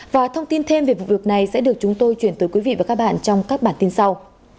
và thông tin thêm về vụ việc này sẽ được chúng tôi chuyển tới quý vị và các bạn trong các bản tin sau